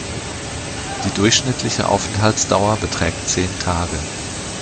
Die durchschnittliche Aufenthaltsdauer beträgt zehn Tage.